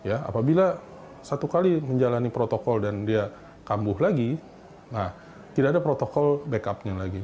apabila satu kali menjalani protokol dan dia kambuh lagi nah tidak ada protokol backupnya lagi